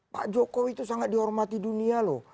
pak jokowi itu sangat dihormati dunia loh